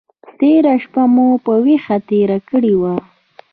تېره شپه مو په ویښه تېره کړې وه.